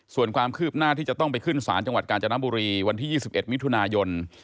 ส่วนความคืบหน้าที่จะต้องไปขึ้นศาลจังหวัดกาญจนบุรีวันที่๒๑มิถุนายน